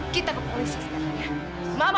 kita ke polisi sekarang ya